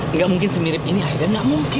enggak mungkin semirip ini aida enggak mungkin